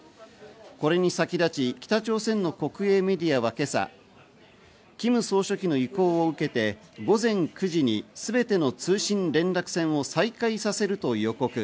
これに先立ち北朝鮮の国営メディアは今朝、キム総書記の意向を受けて午前９時にすべての通信連絡線を再開させると予告。